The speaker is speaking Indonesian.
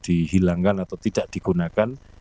dihilangkan atau tidak digunakan